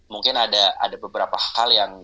mungkin ada beberapa hal yang